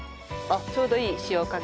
ちょうどいい塩加減。